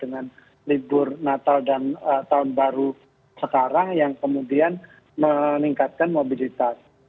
dengan libur natal dan tahun baru sekarang yang kemudian meningkatkan mobilitas